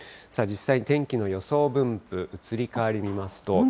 実際に天気の予想分布、移り変わり見ますと。